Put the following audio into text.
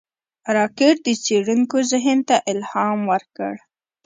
راکټ د څېړونکو ذهن ته الهام ورکړ